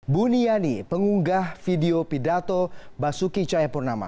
buniani pengunggah video pidato basuki cahayapurnama